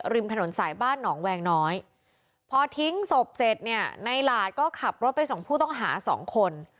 ริมถนนสายบ้านหนองแวงน้อยพอทิ้งศพเสร็จเนี่ยในหลาดก็ขับรถไปส่งผู้ต้องหาสองคน